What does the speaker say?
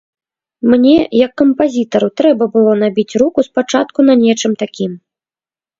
Мне, як кампазітару, трэба было набіць руку спачатку на нечым такім.